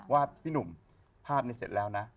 ว่าพี่หนุ่มภาพนี้เสร็จแล้วนะ